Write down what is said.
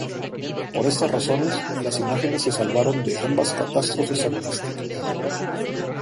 Por estas razones, las imágenes se salvaron de ambas catástrofes artísticas.